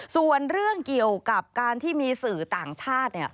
ส่วนเรื่องเกี่ยวกับการที่มีสื่อต่างชาติ